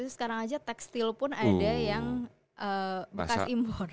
sekarang aja tekstil pun ada yang bekas impor